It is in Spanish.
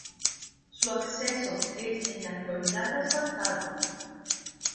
Su acceso es en la actualidad asfaltado.